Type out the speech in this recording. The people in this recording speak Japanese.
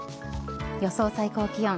予想最高気温。